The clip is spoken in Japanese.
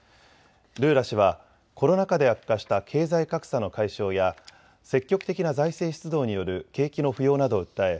ルーラ氏はコロナ禍で悪化した経済格差の解消や積極的な財政出動による景気の浮揚などを訴え